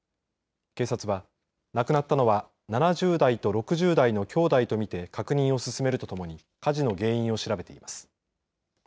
警察は、亡くなったのは７０代と６０代の兄弟とみて確認を進めるとともに火事の原因を調べています。